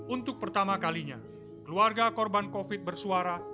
untuk pertama kalinya keluarga korban covid bersuara